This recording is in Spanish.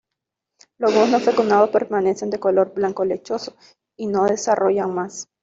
Los huevos no fecundados permanecen de color blanco lechoso y no desarrollan más.